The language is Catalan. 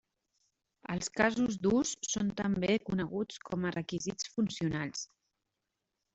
Els casos d'ús són també coneguts com a requisits funcionals.